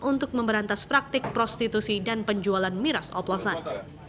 untuk memberantas praktik prostitusi dan penjualan miras oplosan